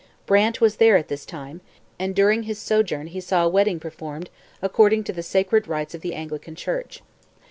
Brant was there at this time, and during his sojourn he saw a wedding performed according to the sacred rites of the Anglican Church.